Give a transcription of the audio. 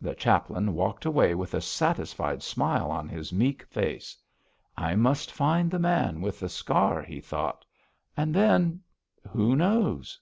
The chaplain walked away with a satisfied smile on his meek face. 'I must find the man with the scar,' he thought, 'and then who knows.'